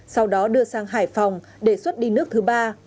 sau đó đưa sang hải phòng để xuất đi nước thứ ba